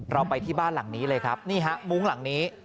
เราไปที่บ้านหลังนี้เลยครับนี่ฮะมุ้งหลังนี้